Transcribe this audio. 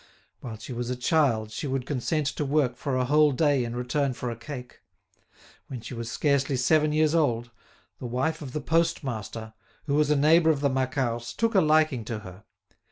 While she was a child she would consent to work for a whole day in return for a cake. When she was scarcely seven years old, the wife of the postmaster, who was a neighbour of the Macquarts, took a liking to her.